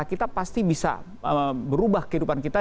kita pasti bisa berubah kehidupan kita